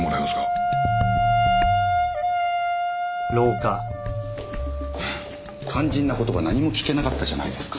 はぁ肝心な事が何も聞けなかったじゃないですか。